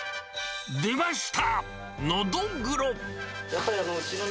出ました。